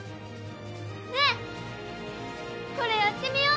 ねえこれやってみよう！